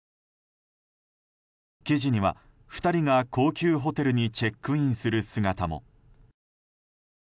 記事には、２人が高級ホテルにチェックインする姿も。